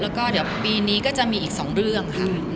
แล้วก็เดี๋ยวปีนี้ก็จะมีอีก๒เรื่องค่ะ